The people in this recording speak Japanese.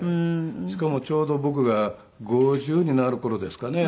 しかもちょうど僕が５０になる頃ですかね